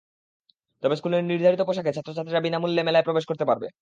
তবে স্কুলের নির্ধারিত পোশাকে ছাত্রছাত্রীরা বিনা মূল্যে মেলায় প্রবেশ করতে পারবে।